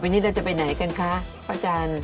ต่อไปนี่เราจะไปไหนกันคะพ่อจัน